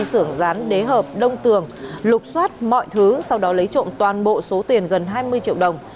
sưởng rán đế hợp đông tường lục xoát mọi thứ sau đó lấy trộm toàn bộ số tiền gần hai mươi triệu đồng